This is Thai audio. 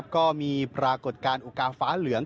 ปรากฏการณ์อุกาฟ้าเหลือง